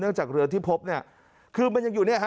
จากเรือที่พบเนี่ยคือมันยังอยู่เนี่ยฮะ